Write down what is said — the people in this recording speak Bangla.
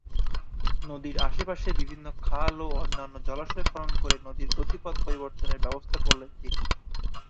নদীর আশপাশে বিভিন্ন খাল ও অন্যান্য জলাশয় খনন করে নদীর গতিপথ পরিবর্তনের ব্যবস্থা করলেন তিনি।